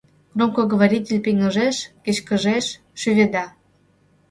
Громкоговоритель пеҥыжеш, кечкыжеш, шӱведа.